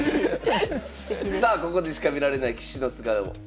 さあここでしか見られない棋士の素顔